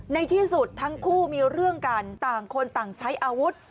ในที่สุดทั้งคู่มีเรื่องกันต่างคนต่างใช้อาวุธ